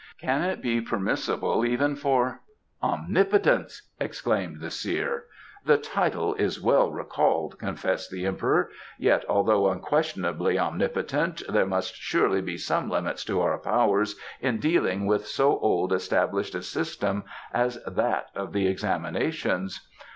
Can it be permissible even for " "Omnipotence!" exclaimed the seer. "The title is well recalled," confessed the Emperor. "Yet although unquestionably omnipotent there must surely be some limits to our powers in dealing with so old established a system as that of the examinations."